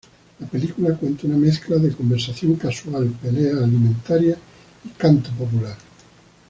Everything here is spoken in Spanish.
La película cuenta una mezcla de conversación casual, peleas alimentarias, y canto popular.